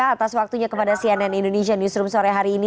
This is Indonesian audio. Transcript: atas waktunya kepada cnn indonesia newsroom sore hari ini